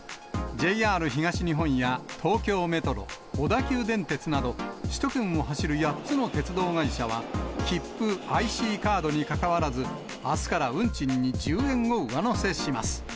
ＪＲ東日本や東京メトロ、小田急電鉄など、首都圏を走る８つの鉄道会社は、切符、ＩＣカードにかかわらず、あすから運賃に１０円を上乗せします。